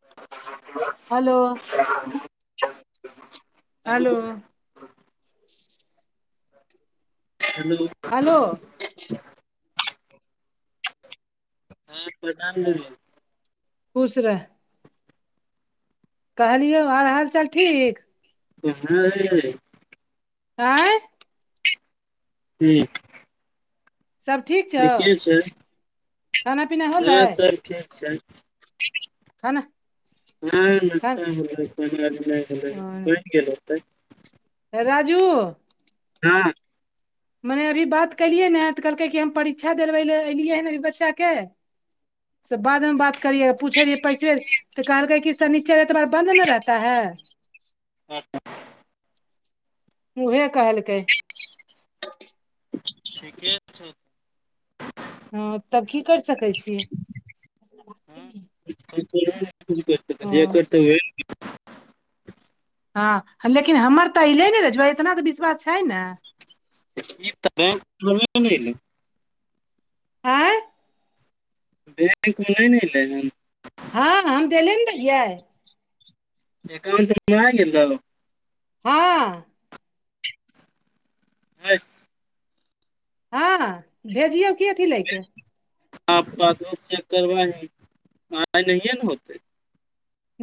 [inaudible] हलो! [inaudible] Hello hello! Hello! Hello! हँ प्रनाम दीदी! खुश रह। कहलियौ ओर हालचाल ठीक? हं [unintelligible] आँय। ठीक। सब ठीक। छौ ठीके छै, खाना पीना हँ होलै सब ठीक छैय। खाना हँ खा नस्ता होलै है, खेनाइ नहि होलै, बनि गेल होतैय। राजू! हँ। मने अभी बात कलियै ने, तऽ कहलकै कि हम परीक्षा देबै लए एलियै हन अभी बच्चाके। से बादमे बात करिययै, पुछै रहियै पैसे तऽ कहल कि शनिचर एतवार बन्द न रहता है। अचछा। [unintelligible] उएहे कहलकै। [inaudible] ठीके छै। हँ तब की कर सकै छीयै। करत जे करत। [unintelligible] हँ, लेकिन हमर तऽ अऐले ने, रजूआ इतना तऽ विश्वास छै ने। ई त। [unintelligible] आँय। बैंकमे नहि ने अयलै हन। हँ हम देले ने रहियै। अकोण्ट मे आ गेलौ? हँ। आइ [inaudible] हँ भेजियौ की अथी लै के। ह पासबुक चेक करबाही, आइ त नहिए ने होते।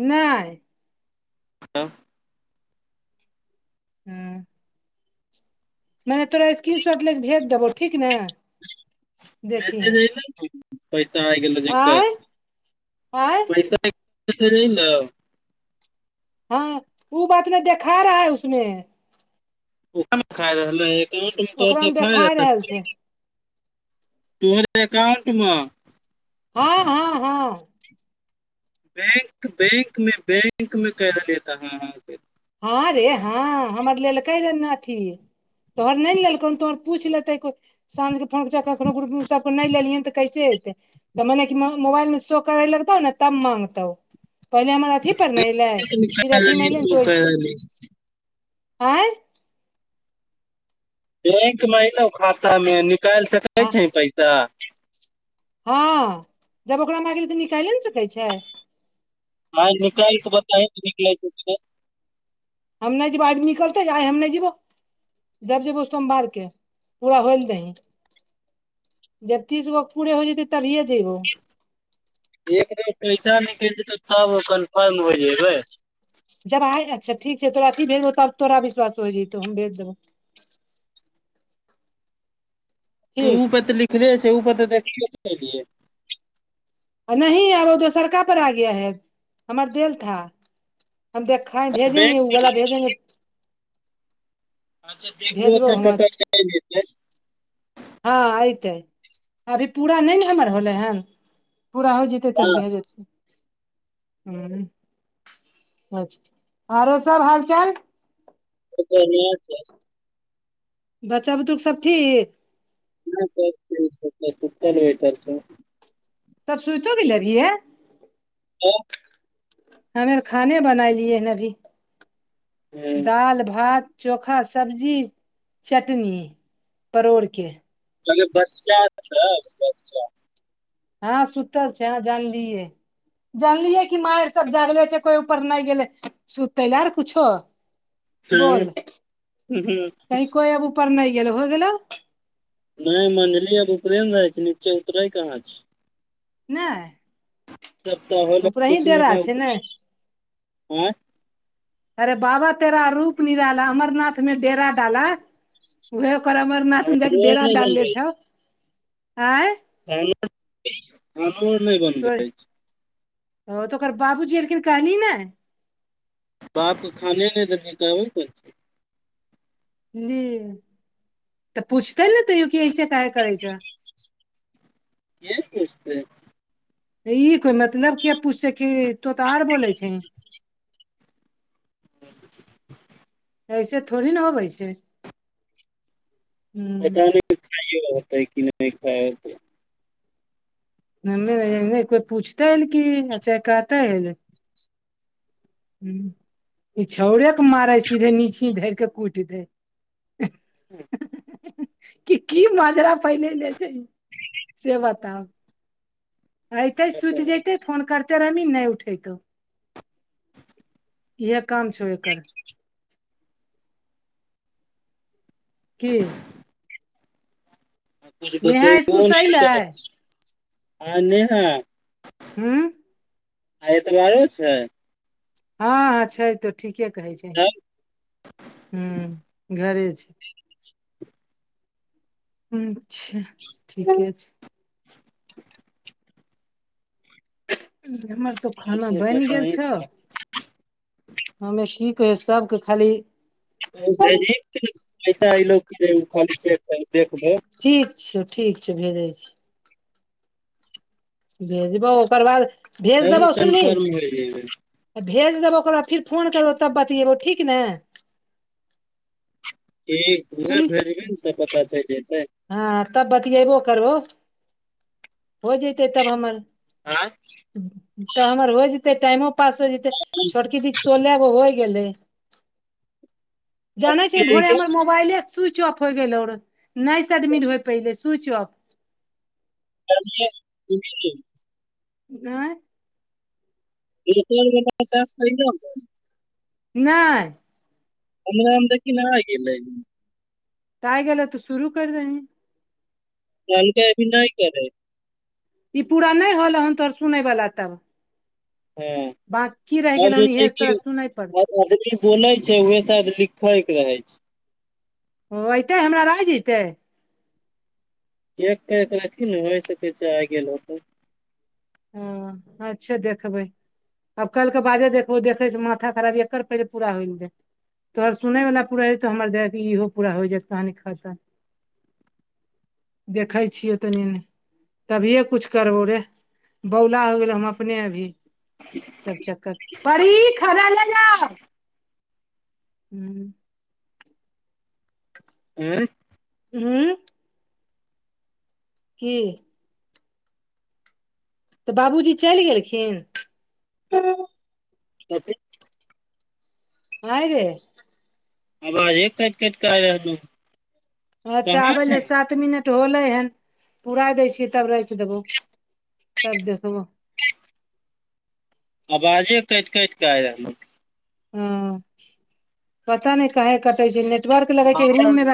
नहि। हँ हूँ। मने तोरा स्क्रीन शॉट ले क भेज देबौ ठीक ने। देखिहे मैसेज अइलै कि? पैसा आइ गेलौ जेकर, आँय आँय पैसा अइलै ने। हँ ओ बात मे देखा रहा है उसमे। ओ अखन खाय रहलै एकांत मे ओकरामे त खाय। देखा रहल छै तोहर एकाउंट मे। हँ हँ। हँ बैंक बैंक मे बैंक में कहि रहलियै त हाँ हाँ के। हँ रे हँ हमर लेल कै ले ने अथी। तोहर नहि ने लेलकौ तोहर पूछि लेतै। साँझ के फोन क कखनो ग्रुप मे सबके नहि लेलियैन तऽ कैसे अयतै। तऽ मने कि मोबाइल मे शो करए लगतौ ने तब माँगतौ। पहिले हमर अथी पर ने एलै फेर निकालि अथी रहली मे अयलै ने त ओइसे [inaudible] ऑंय बैंक मे एलौ खाता मे निकालि सकै हँ छै पैसा। हँ जब ओकरा मरजी त निकाइले ने सकै छै। हॅं निकालि कऽ बताहि कि निकलै छै कि नै। हम नहि जेबौ आइ म निकलतै आइ हम नहि जेबौ। जब जेबौ सोमवार के पूरा होयल दही। जब तीस गो पुुरे होइ जेतौ तभीए जयबौ। एक दिन पैसा निकलि जइतौ तब हम कन्फर्म हो जेबै। जब आइ अच्छा ठीक छै तोरा अथी भेजबहो तब तोरा विश्वास हो जयतौ हम भेज देबौ। ओ ठीक पर त लिखले छै ओ पर देखियौ। नही अब ओ दोसरका पर आ गया है हमर देल था हम देख खैर भेजेंगे बैंक ओ बला भेजेंगे। अच्छा देखबहो भेजबौ तऽ ककर हुच छै आबि जेतै। हँ ऐतै अभी पूरा नहि ने हमर होले हन पूरा हो जेतै तब भए जेतै ह। अच्छा, आरो सब हालचाल? बढ़ियां छै। बच्चा बुतरुक सब ठीक? हॅं सब ठीक [unintelligible] सब सुइतो गेलैय अभीये। हॅं [unintelligible] हम यर खाने बनेलियै अभी अरे दाल भात चोखा सब्जी चटनी परोर के। कहलियै बच्चा छ बच्चा, हॅं सुतल छै हॅं जानलियै। जानलियै की मैर सब जागले छै कोई ऊपर नै गेले सुतैयलै और कुछो। [inaudible] बोल हँ कही कोइ अब उपर नै गेलै होय गेलौ। नहि मने नै अब उपरे में रहै छै नीचे उतरे कहां छै। नै। त डेरा कहन छै ने [unintelligible] आंय अरे बाबा तेरा रूप निराला अमरनाथ में डेरा डाला। उहे पर अमरनाथ मे जाके खानो डेरा नहि डालने बनबै छौ आंय। तोर [unintelligible] ओ तऽ ओकर बाबूजी एलखिन कहली नै बाप के खाने नै देल कइ कहबई कोन चीज। ली तऽ पूछतेै ने त उ की ऐस कहे करै छऽ के पुझतैय। ई कोई मतलब किये पुछैे कि तो तऽ और बोलै छीहि। ऐसे थोड़ी न होबै छै। हूँ पता नैय खायो ले होतै की नै खाइत [unintelligible] कोय पूछतैन की अच्छा कहतै। हूँ इ छौड़िया के मारै सीधे नीची धर के कुटि दे। [unintelligible] कि की मिजरा फैनेने छै से बताउषथं आ अयतै सुति कुछ जेतै फोन करते रहमी नैय उठेतौ। इहे काम छौ एकर। की कछु नेहा स्कुल बतैबो से अयलै [unintelligible] आ नेहा ऊंं आय एतबारो छैय। हं हं छै तऽ ठीके कहै छै हूँ घरे छैय। [unintelligible] अच्छा ठीके छैय। एमर तो खाना तब बैन गेल बताही छौ। हमे की कहै सबके खाली [unintelligible] ठीक छौ ठीक छौ भेजै छी। भेजबौ ओकर बाद भेज तहन देबौ सुनही [unintelligible] भेज देबौ ओकर बाद फीर फोन करबौ तब बतियैबौ ठीक ने? ठीक उएह भेजबीह ने तऽ पता चैल जेतै। हाॅं तब बतिएबौ करबौ। हो जेतै तब हमर तऽ हमर हो जइते टाइमो पास हो जइतै छोटकी दिकस् सोलेह गो हो गेलेै जाने छै भोरे हमर मोबाइले स्विच ऑफ होइ गेलौ रह नहि से एडमिट होइ पयले स्विच ऑफ। कर लिय होय गेलै आयं [unintelligible] नैय हमरा में देखि न आ गेलै तऽ आय गेलौ तऽ सुरू कर देही कहलकै अभी नहि करै ई पूरा नहि होलहन तोहर सुनै बाला तब हँ बाकी रहि आब गेलौ जे हन छै इहे कि तोरा सुनै पड़ अब आदमी बोले छै उहे शायद लिखै के रहे छै ऊ अयतै हमरा आय जतै चेक करै रहथीन ने होइ सकै छै आय गेल होतो हँ अच्छै देखबै आब कलके बादे देखबो देखै से माथा खराब एकर पहिले पूरा होय न दे तोहर सुनै वला पूरा हेतो हमर दे इहो पूरा होय जायत कहानी खतम देखै छियो तनि-मनी तभियै कुछ करबो रे बौला हो गेल हम अपने अभी ई सब चक्कर में [unintelligible] आँय हूं की तऽ बाबूजी चैल गेलखिन [unintelligible] भाय रे आवाजे कइट कइट के आ रहलो अच्छा आबै ले सा सात मिनट होलै हन पुराय दै छियै तब राखि देबौ तब देखबो आवाजे कटि-कटि कऽ आय रहलो हँ पता नहि काहे कटे छै नेट नेटवर्क लगै मोबाइल छै रूम में [inaudible]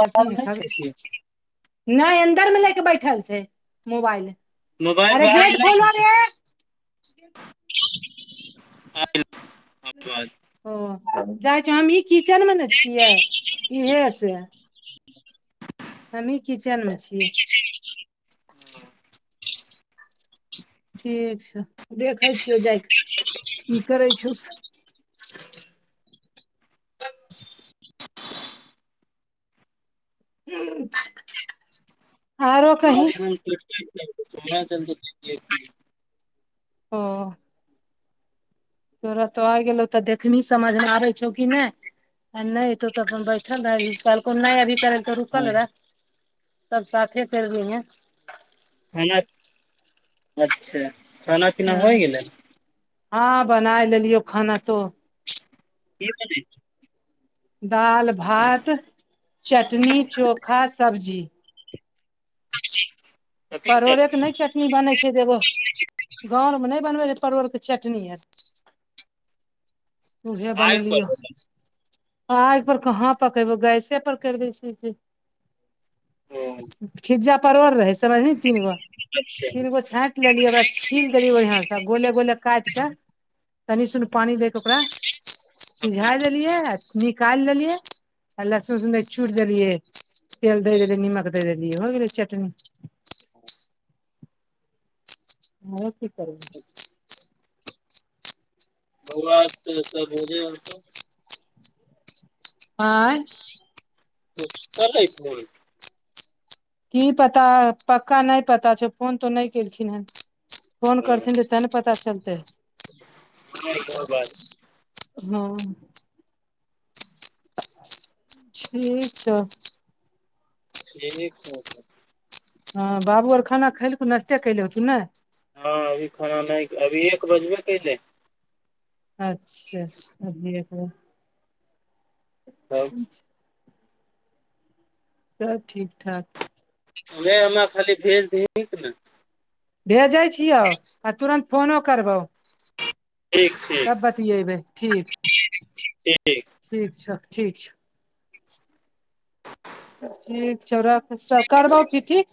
बाहर नहि छै की नहि अन्दर मे ले के बैठल छै मोबाइल मोबाइल अरे बाहर गेट खोलो नहि छै रे [unintelligible] ओ जाइ छीये हमही किचेन मे न छियै इहे से [inaudible] हमही किचेन में छी [unintelligible] ठीक छौ देखै छियौ जाएके क करै छउ से [inaudible] [unintelligible] आरो कही [unintelligible] ओ तोरा तऽ आय गेलौ तऽ देखनी समझमे आबै छौ कि नहि आ नहि एतो तऽ अपन बैठल रहबी कहलकौ नहि अभी करै तऽ हाँ, रुकल रह सब साथे कैर लिहैं [unintelligible] अच्छा खाना पीना होइ गेलै हँ बनाय लेलियो खाना तो की करै छी दाल भात चटनी चोखा सब्जी सब्जी परोलेके नहि चटनी बनै छै देबो गाँवरमे नहि बनबै रह परोड़के चटनी आर। उह बनेलियो आग पर कहाँ पकबो गैसे पर करि देै छै। ओ। खिज्जा परवर रहै समझ तीन गो अच्छा तीन गो छाँठ। लेलियै ओकरा छीन देलियै बढ़ियां से गोले गोल काटिकऽ। तनि सुनी पानि दे क ओकरा सिझा देलियै। निकालि देलियै आ लहसू सुे छूट देलियै। तेल दैै निमक दै दैी हो गेलै चटनी। न क करर भआ तऽ' सब होजेत। आँय करै। [inaudible] की पता पक्का नहि पता छैौ फोन तो नहि केलखिन। हेन फोन करथिन त ते ने पता। चलतै हँ। ठीक छ। ठीक छै। [inaudible] हँ बाबू आर खाना खेललकू ना्ते कले हतु ने। हँ अभी खाना नहि अभी एक बजबे कले अच्छा। त। [inaudible] सबब ठीक ठाक वह हमरा खाली भेज दहीक ने भेजै छियौ आ तुरन्त फोनो करबौ। ठीक। ठीक तब बतियेबै ठीक ठीक ठीक छौ ठीक छौ। ठीक छौ राख करब फिर ठीक।